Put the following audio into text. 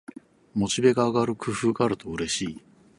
モチベが上がる工夫があるとうれしい